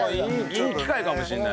いい機会かもしれない。